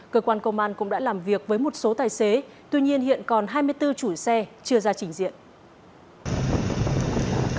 cơ quan công an cũng đã làm việc với một số tài xế tuy nhiên hiện còn hai mươi bốn chủi xe chưa ra trình diện